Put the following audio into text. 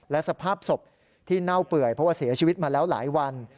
และสภาพศพที่เน่าเปื่อยเพราะว่าเสียชีวิตมาแล้วหลายวัน